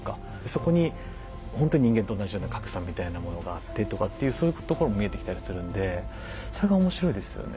そこにほんと人間と同じような格差みたいなものがあってとかっていうそういうところも見えてきたりするんでそれが面白いですよね。